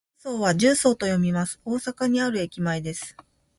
十三は「じゅうそう」と読みます。大阪にある駅前です。